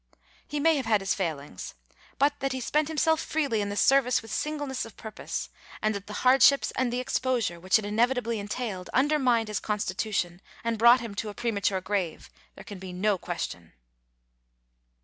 He may have had his failings, but that he spent himself freely in the service with singleness of purpose, and that the hardships and exposure which it inevitably entailed under mined his constitution and brought him to a premature grave, there can be no question.